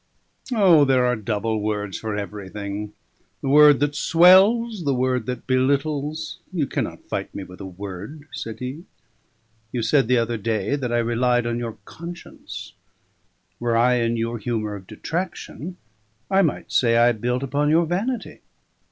"O! there are double words for everything: the word that swells, the word that belittles; you cannot fight me with a word!" said he. "You said the other day that I relied on your conscience: were I in your humour of detraction, I might say I built upon your vanity.